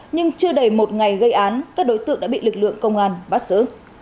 nhưng chưa đầy một ngày gây án các đối tượng đã bị lực lượng công an bắt giữ